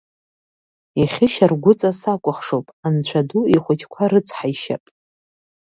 Ихьы шьаргәыҵа сакәыхшоуп, Анцәа ду ихәыҷқәа рыцҳаишьап.